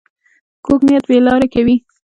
کوږ نیت بې لارې کوي